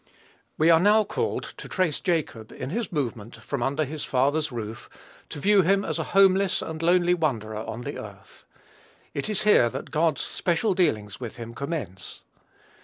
We are now called to trace Jacob in his movement from under his father's roof, to view him as a homeless and lonely wanderer on the earth. It is here that God's special dealings with him commence.